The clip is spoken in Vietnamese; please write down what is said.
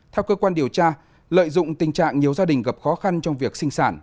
theo cơ quan điều tra lợi dụng tình trạng nhiều gia đình gặp khó khăn trong việc sinh sản